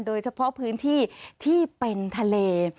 โดยเฉพาะพื้นที่ที่เป็นทะเล